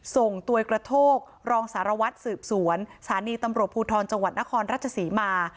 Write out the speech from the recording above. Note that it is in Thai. ตวยกระโทกรองสารวัตรสืบสวนสถานีตำรวจภูทรจังหวัดนครราชศรีมา